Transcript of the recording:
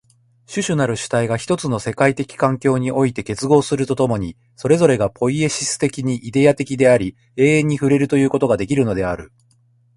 種々なる主体が一つの世界的環境において結合すると共に、それぞれがポイエシス的にイデヤ的であり、永遠に触れるということができるのである。